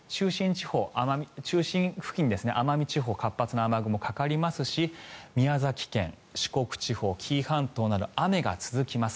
中心付近、奄美地方活発な雨雲がかかりますし宮崎県、四国地方、紀伊半島など雨が続きます。